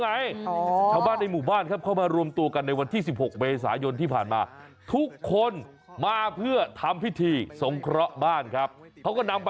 อีกหนึ่งวิธีที่เขาปัดเป่าสิ่งไม่ดีและจะทำวิธีนี้หลังจากสงครานครับ